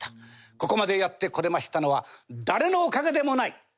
ここまでやってこれましたのは誰のおかげでもない